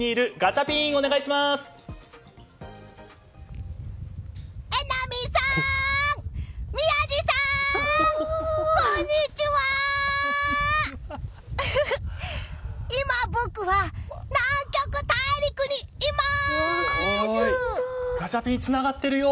ガチャピン、つながってるよ！